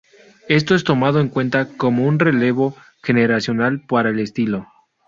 Esto es tomado en cuenta como un relevo generacional para el estilo.